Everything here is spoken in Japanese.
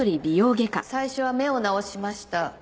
最初は目を治しました。